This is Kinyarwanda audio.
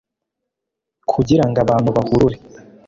kugirango abantu bahurure